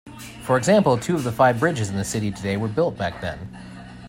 For example, two of the five bridges in the city today were built back then.